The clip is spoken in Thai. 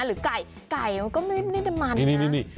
หรือไก่เป็นในมันนะ